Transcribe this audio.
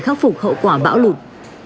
khắc phục hậu quả bão lụt